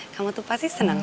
kamu tuh pasti senang